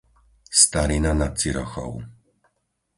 Starina nad Cirochou